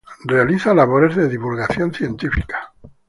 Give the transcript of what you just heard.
Realiza labores de divulgación científica.